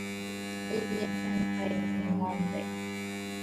Dalili ya ndigana kali ni ngombe kutingishika mbele na nyuma wakati wa kupumua